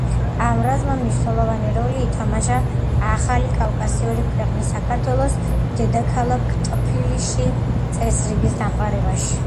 ამ რაზმმა მნიშვნელოვანი როლი ითამაშა ახალი კავკასიური ქვეყნის, საქართველოს დედაქალაქ ტფილისში წესრიგის დამყარებაში.